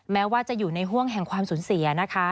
แม้ว่าจะอยู่ในห่วงแห่งความสูญเสียนะคะ